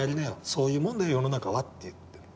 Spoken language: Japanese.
そういうもんだよ世の中は」って言ってる。